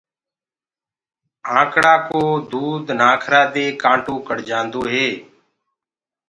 آنڪڙآ ڪو دود نآکرآ دي ڪآنٽو ڪڙجآندوئي۔